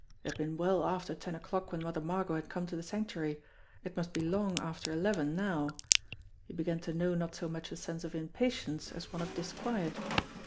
It had been well after ten o'clock when Mother Margot had come to the Sanctuary ; it must be long after eleven now. He began to know not so much a sense of impatience as one of disquiet.